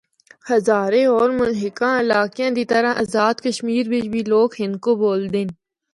ہزارے ہور ملحقہ علاقیاں دی طرح ٓازاد کشمیر بچ بھی لوگ ہندکو بُولدے ہن۔